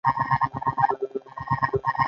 سوداګرۍ ته اړتیا ده